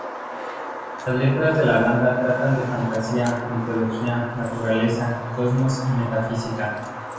Las letras de la banda tratan de fantasía, mitología, naturaleza, cosmos y metafísica.